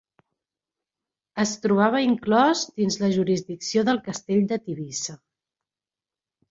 Es trobava inclòs dins la jurisdicció del castell de Tivissa.